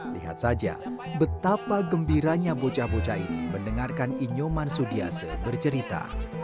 lihat saja betapa gembiranya bocah bocah ini mendengarkan inyoman sudiase bercerita